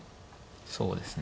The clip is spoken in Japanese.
そうですね。